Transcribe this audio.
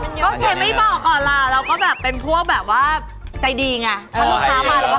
ห๊อบ๊อคเชฟไม่บอกก่อนอะเราก็เป็นพวกแบบว่าใจดีไง